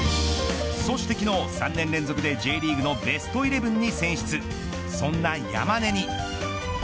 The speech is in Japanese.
そして昨日３年連続でＪリーグのベストイレブンに選出そんな山根に。